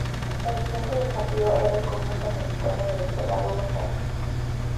El siguiente desafío era el conjunto mexicano del estelar Hugo Sánchez.